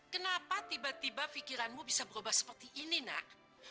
kenapa tiba tiba pikiranmu bisa berubah seperti ini nak